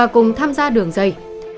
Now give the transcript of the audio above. cùng tham gia đường dây